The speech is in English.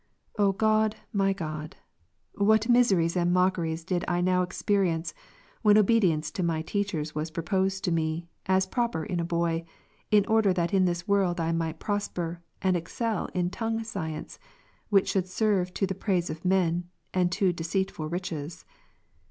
O God m\ God, what miseries and mockeries did I now experience, when obedience to my teachers was pro posed to me, as proper in a boy, in order that in this world I might prosper, and excel in tongue science, which should serve to the " praise of men," and to deceitful riches.